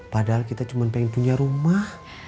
padahal kita cuma pengen punya rumah